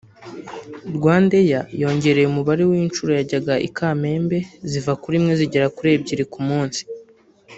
RwandAir yongereye umubare w’inshuro yajyaga i Kamembe ziva kuri imwe zigera kuri ebyiri ku munsi